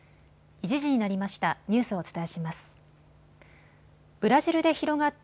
１時になりました。